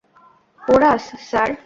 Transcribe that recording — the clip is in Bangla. Porous, sir.